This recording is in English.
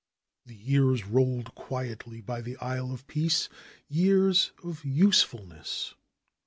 The years rolled quietly by the Isle of Peace, years of usefulness.